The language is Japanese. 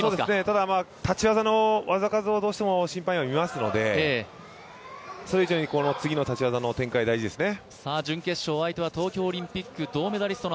ただ、立ち技の技数をどうしても審判員は見ますのでそれ以上に次の立ち技の展開大事ですね。